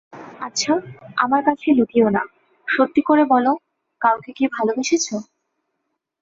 আচ্ছা, আমার কাছে লুকিয়ো না, সত্যি করে বলো, কাউকে কি ভালোবেসেছ?